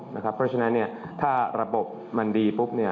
เพราะฉะนั้นถ้าระบบมันดีปุ๊บ